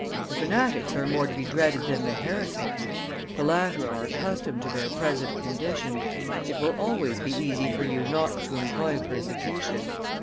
The fanatics are more to be dreaded than the heretics. The latter are accustomed to their present condition. It will always be easy for you not to employ persecution.